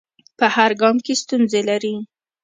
په هر ګام کې ستونزې لري.